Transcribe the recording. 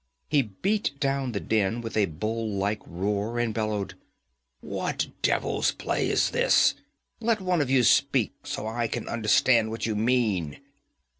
He beat down the din with a bull like roar, and bellowed: 'What devil's play is this? Let one of you speak, so I can understand what you mean!'